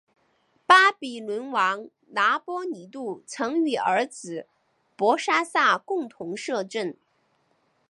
巴比伦王拿波尼度曾与儿子伯沙撒共同摄政。